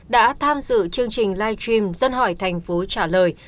đã tham dự chương trình live stream dân hỏi thành phố trả lời